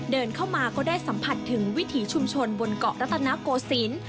เดินเข้ามาก็ได้สัมผัสถึงวิถีชุมชนบนเกาะรัตนโกศิลป์